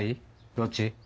どっち？